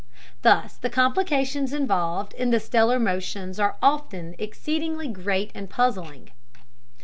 Thus the complications involved in the stellar motions are often exceedingly great and puzzling.